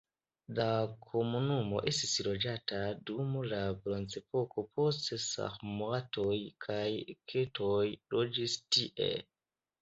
La komunumo estis loĝata dum la bronzepoko, poste sarmatoj kaj keltoj loĝis tie.